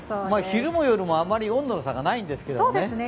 昼も夜もあまり温度の差がないんですけどね。